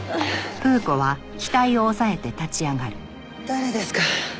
誰ですか？